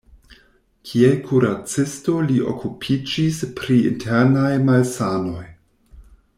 Kiel kuracisto li okupiĝis pri internaj malsanoj.